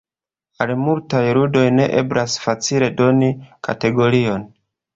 Al multaj ludoj ne eblas facile doni kategorion.